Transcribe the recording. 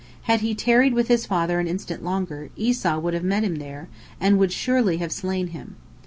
Had he tarried with his father an instant longer, Esau would have met him there, and would surely have slain him.